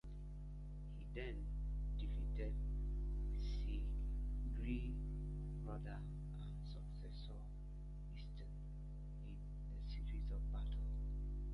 He then defeated Sigtryg's brother and successor Eystein in a series of battles.